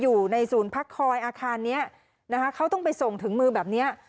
อยู่ในศูนย์พักคอยอาคารเนี้ยนะคะเขาต้องไปส่งถึงมือแบบเนี้ย